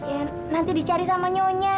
ya nanti dicari sama nyonya